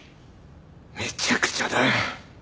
めちゃくちゃだ。